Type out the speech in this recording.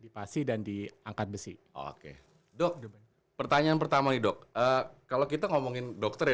di pasi dan diangkat besi oke dok pertanyaan pertama nih dok kalau kita ngomongin dokter ya